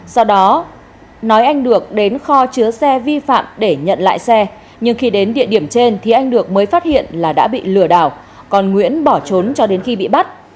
sau đó nói anh được đến kho chứa xe vi phạm để nhận lại xe nhưng khi đến địa điểm trên thì anh được mới phát hiện là đã bị lừa đảo còn nguyễn bỏ trốn cho đến khi bị bắt